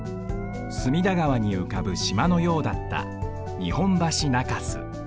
隅田川にうかぶしまのようだった「日本橋中洲」。